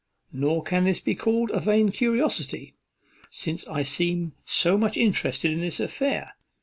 Nor can this be called a vain curiosity, since I seem so much interested in this affair.